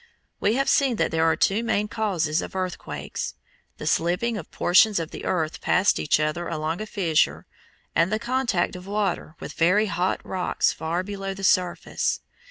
We have seen that there are two main causes of earthquakes: the slipping of portions of the earth past each other along a fissure, and the contact of water with very hot rocks far below the surface.